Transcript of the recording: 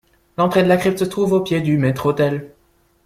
L'entrée de la crypte se trouve au pied du maître-autel.